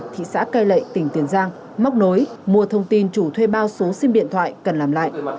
thị xã cai lệ tỉnh tiền giang móc nối mua thông tin chủ thuê bao số sim điện thoại cần làm lại